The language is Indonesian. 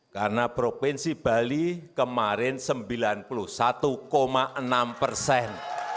karena provinsi bali kemarin sembilan puluh satu enam persen